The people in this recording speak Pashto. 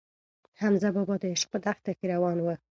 حمزه بابا د عشق په دښته کې روان و.